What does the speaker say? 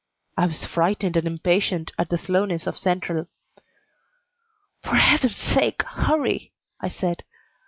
I was frightened and impatient at the slowness of Central. "For Heaven's sake, hurry!" I said.